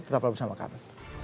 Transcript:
tetap bersama kami